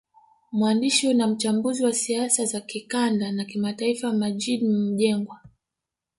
Mwandishi na mchambuzi wa siasa za kikanda na kimataifa Maggid Mjengwa